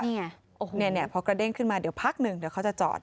นี่พอกระเด้งขึ้นมาเดี๋ยวพักหนึ่งเดี๋ยวเขาจะจอด